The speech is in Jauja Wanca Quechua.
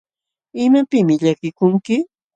¿Imapiqmi llakikunki?